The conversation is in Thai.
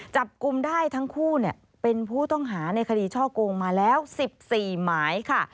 จับกลุ่มได้ทั้งคู่เป็นผู้ต้องหาในคดีช่อโกงมาแล้ว๑๔หมายค่ะ